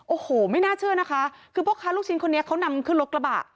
โอ้โหไม่น่าเชื่อนะคะคือพ่อค้าลูกชิ้นคนนี้เขานำขึ้นรถกระบะ